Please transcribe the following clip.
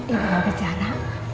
ibu mau bicara